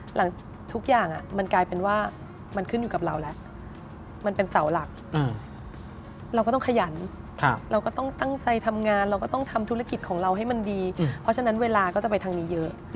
ทุกอย่างมันกลายเป็นว่ามันขึ้นอยู่กับเราแล้วมันเป็นเสาหลักเราก็ต้องขยันเราก็ต้องตั้งใจทำงานเราก็ต้องทำธุรกิจของเราให้มันดีเพราะฉะนั้นเวลาก็จะไปทางนี้เยอะ